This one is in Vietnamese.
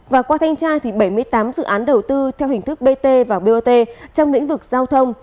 và qua thanh tra thì bảy mươi tám dự án đầu tư theo hình thức bt và bot trong lĩnh vực giao thông